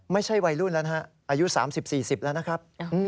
ไม่ใช่วัยรุ่นแล้วนะฮะอายุ๓๐๔๐แล้วนะครับ